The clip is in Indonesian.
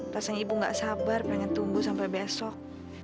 rasanya ibu gak sabar pengen tunggu sampai besok